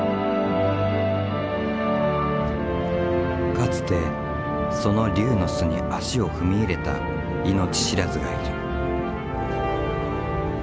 かつてその龍の巣に足を踏み入れた命知らずがいる。